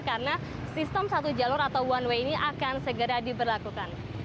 karena sistem satu jalur atau one way ini akan segera diberlakukan